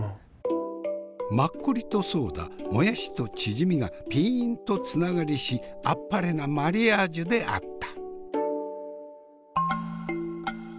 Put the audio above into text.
マッコリとソーダもやしとチヂミがピンとつながりしあっぱれなマリアージュであった。